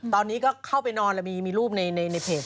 ตอนนี้ก็เข้าไปนอนแล้วมีรูปในเพจ